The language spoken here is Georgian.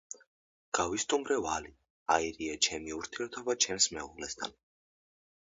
გავისტუმრე ვალი, აირია ჩემი ურთიერთობა ჩემს მეუღლესთან.